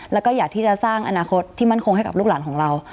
แล้วก็อยากที่จะสร้างอนาคตที่มั่นคงให้กับลูกหลานของเรา